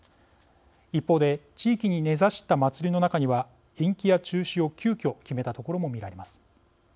一方で地域に根ざした祭りの中には延期や中止を急きょ決めたところも見られます。